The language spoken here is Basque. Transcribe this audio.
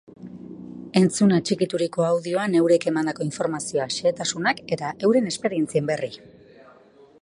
Entzun atxikituriko audioan eurek emandako informazioa, xehetasunak eta euren esperientzien berri!